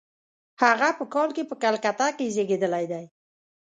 هغه په کال کې په کلکته کې زېږېدلی دی.